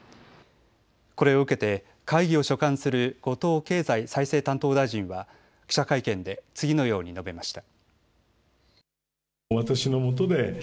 これを受けて会議を所管する後藤経済再生担当大臣は記者会見で次のように述べました。